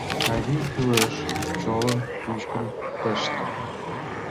Авий, кӱлеш чолым пӱчкын пыште.